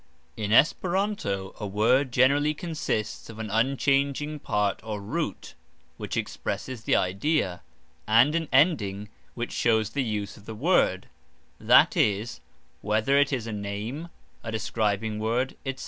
In Esperanto a word generally consists of an unchanging part or root, which expresses the idea, and an ending which shows the use of the word, that is, whether it is a name, a describing word, etc.